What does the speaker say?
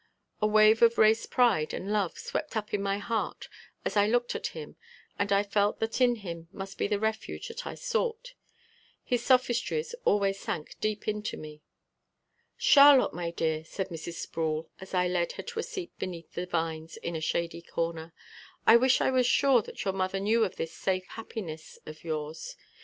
A wave of race pride and love swept up in my heart as I looked at him and I felt that in him must be the refuge that I sought. His sophistries always sank deep into me. "Charlotte, my dear," said Mrs. Sproul, as I led her to a seat beneath the vines in a shady corner, "I wish I was sure that your mother knew of this safe happiness of yours.